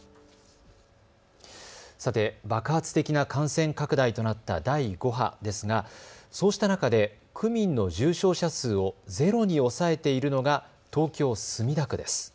さて、爆発的な感染拡大となった第５波ですがそうした中で区民の重症者数をゼロに抑えているのが東京墨田区です。